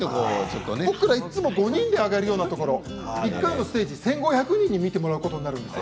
僕らいつも５人で上がるようなところを１回のステージ、１５００人に見てもらうことができるんです。